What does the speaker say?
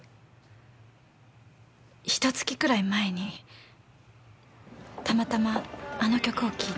ひと月くらい前にたまたまあの曲を聴いて。